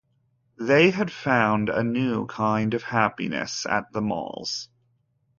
They had found a new kind of happiness at the malls.